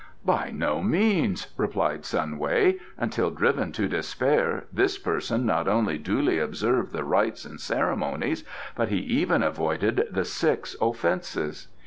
"By no means," replied Sun Wei. "Until driven to despair this person not only duly observed the Rites and Ceremonies, but he even avoided the Six Offences.